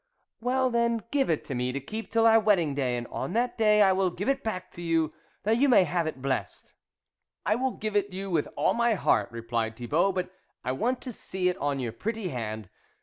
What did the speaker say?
" Well then, give it me to keep till our wedding day, and on that day I will give it back to you, that you may have it blessed." " I will give it you with all my heart " replied Thibault, " but I want to see it on your pretty hand.